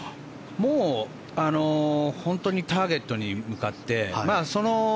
もう本当にターゲットに向かって。